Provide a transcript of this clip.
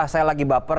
saya lagi baper